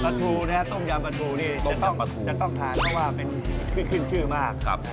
ปลาทูนะครับต้มยำปลาทูนี่จะต้องทานเพราะว่าเป็นขึ้นชื่อมากนะครับ